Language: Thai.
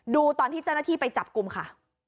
ดูตอนที่เจ้าหน้าที่ไปจับกลุ่มค่ะ